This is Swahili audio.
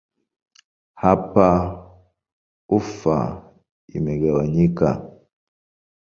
Hapa ufa imegawanyika.